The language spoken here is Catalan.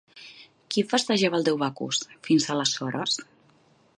Qui festejava el déu Bacus, fins aleshores?